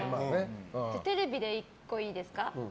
テレビで１個いいですか？